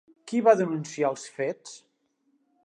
Qui va denunciar els fets?